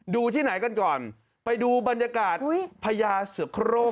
ที่ไหนกันก่อนไปดูบรรยากาศพญาเสือโครง